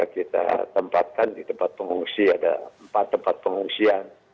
kita tempatkan di tempat pengungsi ada empat tempat pengungsian